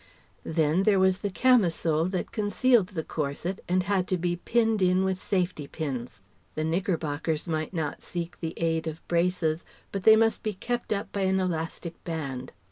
Then there was the camisole that concealed the corset and had to be "pinned" in with safety pins. The knickerbockers might not seek the aid of braces; but they must be kept up by an elastic band.